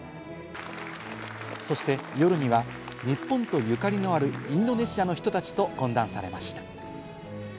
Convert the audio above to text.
そして夜には日本とゆかりのあるインドネシアの人たちと懇談されました。